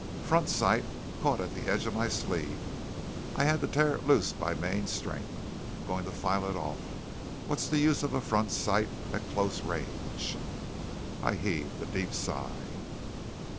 "Front sight caught at the edge of my sleeve. I had to tear it loose by main strength. I'm going to file it off. What's the use of a front sight at close range?" I heaved a deep sigh.